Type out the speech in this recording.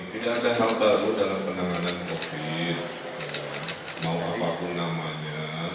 tidak ada hal baru dalam penanganan covid mau apapun namanya